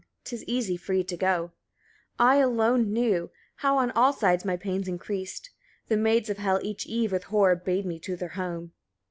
'Tis easy free to go. 38. I alone knew, how on all sides my pains increased. The maids of Hel each eve with horror bade me to their home.